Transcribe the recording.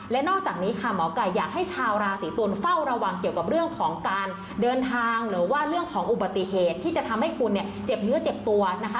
และนอกจากนี้ค่ะหมอไก่อยากให้ชาวราศีตุลเฝ้าระวังเกี่ยวกับเรื่องของการเดินทางหรือว่าเรื่องของอุบัติเหตุที่จะทำให้คุณเนี่ยเจ็บเนื้อเจ็บตัวนะคะ